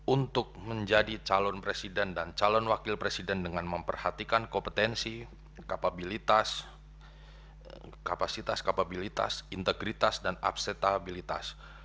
untuk menjadi calon presiden dan calon wakil presiden dengan memperhatikan kompetensi kapabilitas kapasitas kapabilitas integritas dan absetabilitas